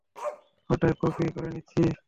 ওর drive copy করে নিচ্ছি।